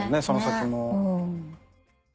その先も。